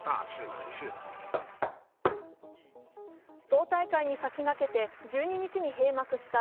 党大会に先駆けて、１２日に閉幕した